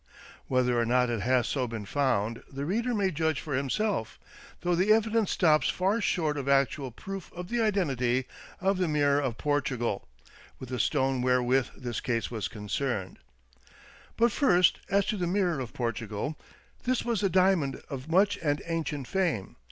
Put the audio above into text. Whether or not it has so been found the reader may judge for himself, though the evidence stops far short of actual proof of the identity of the " Mirror of 103 104 TEE DOBBINGTON DEED BOX Portugal" with the stone wherewith this case was concerned. But first, as to the "Mirror of Portugal." This was a diamond of much and ancient fame.